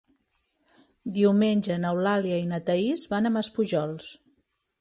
Diumenge n'Eulàlia i na Thaís van a Maspujols.